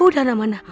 aduh udara udara mana